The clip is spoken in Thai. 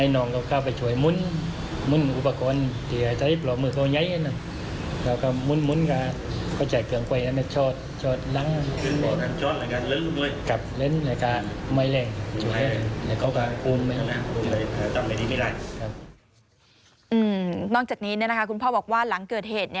นอกจากนี้คุณพ่อบอกว่าหลังเกิดเหตุ